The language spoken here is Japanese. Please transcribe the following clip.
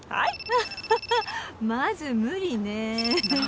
アハハまず無理ね。